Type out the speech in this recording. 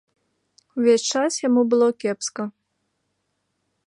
Увесь час яму было кепска.